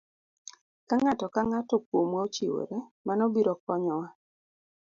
Ka ng'ato ka ng'ato kuomwa ochiwore, mano biro konyowa.